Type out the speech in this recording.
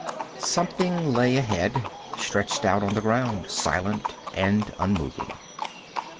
Something lay ahead. Stretched out on the ground. Silent and unmoving.